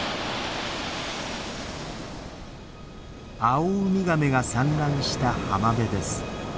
アオウミガメが産卵した浜辺です。